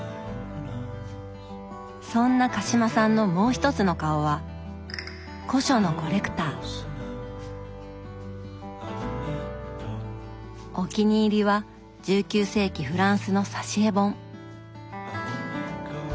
そんな鹿島さんのもう一つの顔はお気に入りは１９世紀フランスの挿絵本。